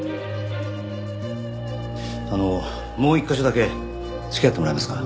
あのもう１カ所だけ付き合ってもらえますか。